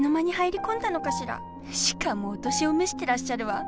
しかもお年をめしてらっしゃるわ。